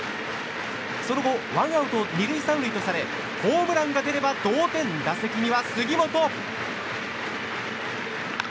その後ワンアウト２塁３塁とされホームランが出れば同点打席には杉本。